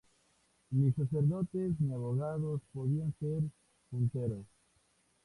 Ni sacerdotes ni abogados podían ser junteros.